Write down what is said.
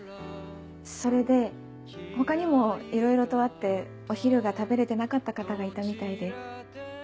それで他にもいろいろとあってお昼が食べれてなかった方がいたみたいで。